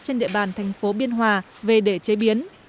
trên địa bàn tp biên hòa về để chế biến